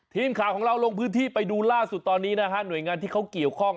ทีมข่าวของเราลงพื้นที่ไปดูล่าสุดตอนนี้นะฮะหน่วยงานที่เขาเกี่ยวข้อง